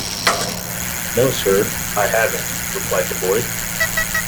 ‘No, sir, I haven’t,’ replied the boy.